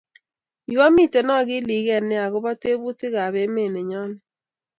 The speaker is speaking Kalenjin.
Yuamitee akilikei nea akoba tebutik ab emet nenyoni